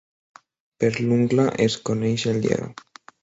Per l'ungla es coneix el lleó.